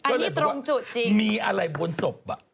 อันนี้ตรงจุดจริงมีอะไรบนศพ